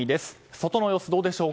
外の様子、どうでしょう。